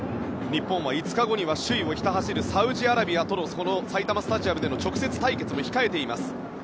日本は５日後には首位をひた走るサウジアラビアとの埼玉スタジアムでの直接対決も控えています。